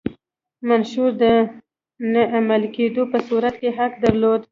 منشور د نه عملي کېدو په صورت کې حق درلود.